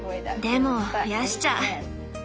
でも増やしちゃう！